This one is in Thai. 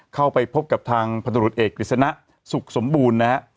เข้าไปพบกับทางพันธุรกิจเอกกฤษณะสุขสมบูรณ์นะฮะ